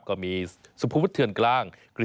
ก็มีสุภวุฒเทือนกลาง